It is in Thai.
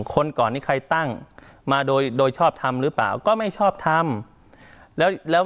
คนก่อนนี้ใครตั้งมาโดยชอบทำหรือเปล่าก็ไม่ชอบทำแล้ว